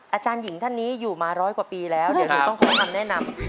อาจารย์หญิงท่านนี้อยู่มาร้อยกว่าปีแล้วเดี๋ยวหนูต้องขอคำแนะนำ